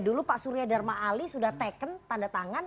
dulu pak surya dharma ali sudah taken tanda tangan